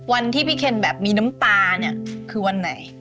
วันที่พี่เคนแบบมีน้ำตาเนี่ยคือวันไหน